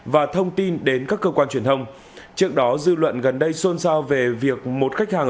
và thông tin đến các cơ quan truyền thông trước đó dư luận gần đây xôn xao về việc một khách hàng